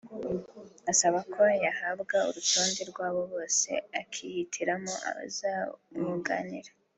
asaba ko yahabwa urutonde rw’abo bose akihitiramo abazamwunganira